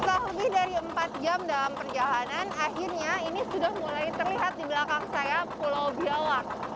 setelah lebih dari empat jam dalam perjalanan akhirnya ini sudah mulai terlihat di belakang saya pulau biawak